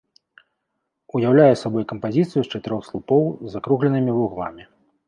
Уяўляе сабой кампазіцыю з чатырох слупоў з закругленымі вугламі.